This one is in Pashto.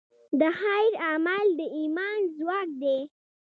د خیر عمل د ایمان ځواک دی.